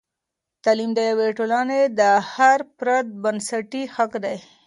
تعلیم د یوې ټولنې د هر فرد بنسټي حق دی.